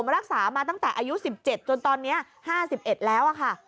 รักษามาตั้งแต่อายุ๑๗จนตอนนี้๕๑แล้วค่ะ